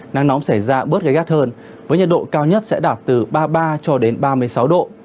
nắng nóng xảy ra bớt gai gắt hơn với nhiệt độ cao nhất sẽ đạt từ ba mươi ba ba mươi sáu độ